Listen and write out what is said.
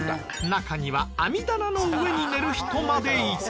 中には網棚の上に寝る人までいた。